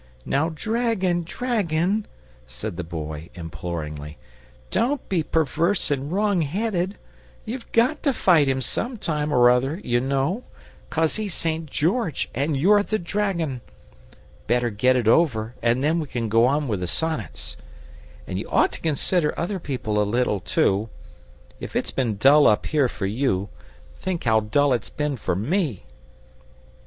"Now dragon, dragon," said the Boy imploringly, "don't be perverse and wrongheaded. You've GOT to fight him some time or other, you know, 'cos he's St. George and you're the dragon. Better get it over, and then we can go on with the sonnets. And you ought to consider other people a little, too. If it's been dull up here for you, think how dull it's been for me!"